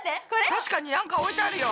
確かになんか置いてあるよ。